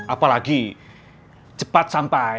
apalagi cepat sampai